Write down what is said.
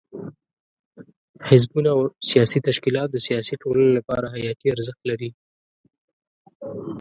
حزبونه او سیاسي تشکیلات د سیاسي ټولنې لپاره حیاتي ارزښت لري.